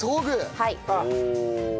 はい。